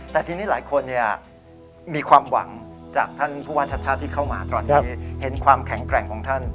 แต่ทีนี้หลายคนมีความหวังจากท่านผู้ว่าชาติชาติที่เข้ามาตอนนี้เห็นความแข็งแกร่งของท่าน